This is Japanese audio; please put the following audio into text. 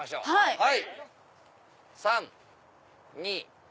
はい！